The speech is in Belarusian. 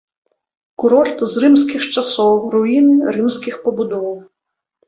Курорт з рымскіх часоў, руіны рымскіх пабудоў.